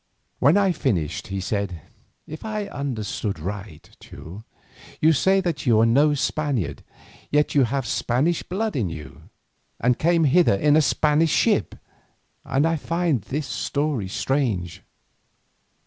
When I had finished, he said, "If I have understood aright, Teule, you say that you are no Spaniard, yet that you have Spanish blood in you, and came hither in a Spanish ship, and I find this story strange.